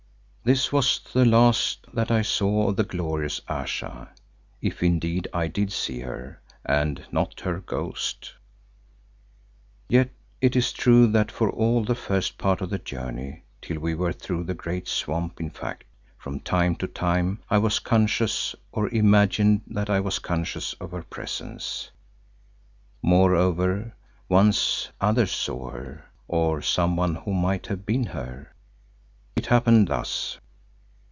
This was the last that I saw of the glorious Ayesha, if indeed I did see her and not her ghost. Yet it is true that for all the first part of the journey, till we were through the great swamp in fact, from time to time I was conscious, or imagined that I was conscious of her presence. Moreover, once others saw her, or someone who might have been her. It happened thus.